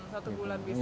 satu bulan bisa